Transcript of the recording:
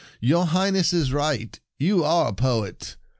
Your Highness is right. You are a Poet.